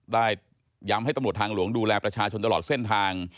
ได้ย้ำให้ตำรวจทางหลวงดูแลประชาชนตลอดเส้นทาง